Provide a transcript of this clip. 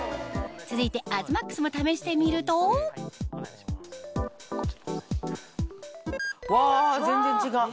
続いて東ＭＡＸも試してみるとうわ全然違う。